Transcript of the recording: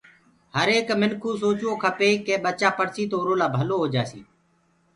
هر ايڪ منکِو سوچوو کپي ڪي ٻچآ پڙهسي تو اُرو لآ ڀلو هو جآسي